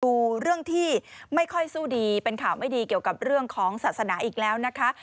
ดูเรื่องที่ไม่ค่อยสู้ดีเป็นข่าวไม่ดีเกี่ยวกับเรื่องของศาสนาอีกแล้วนะคะ